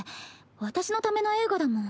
私のための映画だもん。